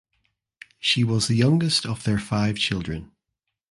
She was the youngest of their five children.